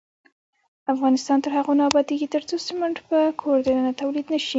افغانستان تر هغو نه ابادیږي، ترڅو سمنټ په کور دننه تولید نشي.